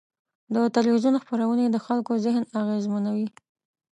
د تلویزیون خپرونې د خلکو ذهن اغېزمنوي.